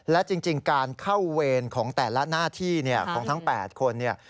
และจริงการเข้าเวรของแต่ละหน้าที่ของทั้ง๘คนเนี่ย